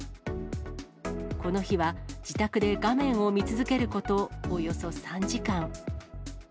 この日は、自宅で画面を見続けることおよそ３時間。